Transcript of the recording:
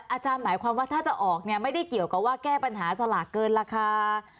อาจารย์หมายความว่าถ้าจะออกเนี่ยไม่ได้เกี่ยวกับว่าแก้ปัญหาสลากเกินราคา